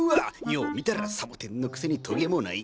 よう見たらサボテンのくせにトゲもない。